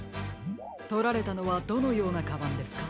とられたのはどのようなカバンですか？